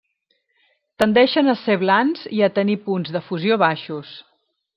Tendeixen a ser blans i a tenir punts de fusió baixos.